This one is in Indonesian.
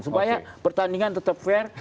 supaya pertandingan tetap fair